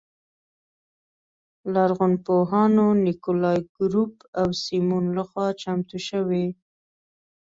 لرغونپوهانو نیکولای ګروب او سیمون لخوا چمتو شوې.